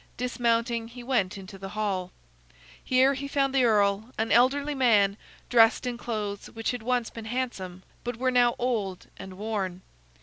Dismounting, he went into the hall. Here he found the earl, an elderly man dressed in clothes which had once been handsome, but were now old and worn.